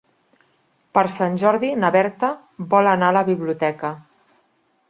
Per Sant Jordi na Berta vol anar a la biblioteca.